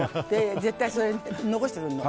絶対、それを残してくるの。